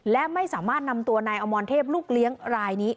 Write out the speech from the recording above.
และไม่สามารถนำตัวนายอมรเทพลูกเลี้ยงรายนี้